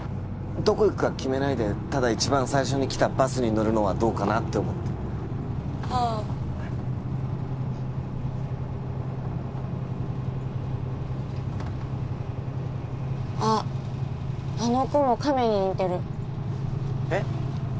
どこ行くか決めないでただ一番最初に来たバスに乗るのはどうかなって思ってはああっあの雲亀に似てるえっ？